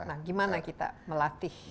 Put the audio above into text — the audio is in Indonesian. nah gimana kita melatih para pelatih